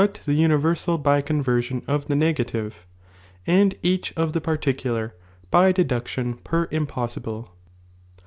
the ooivcrsal by conversion of the negative, and oI^°?wio'u. each of the particular, by deduction per impos '"^'•>™'' i nbile.